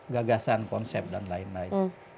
gagasan konsep dan lain lain